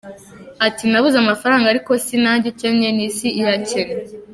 Ati “Nabuze amafaranga ariko si nanjye ukennye n’isi irakennye.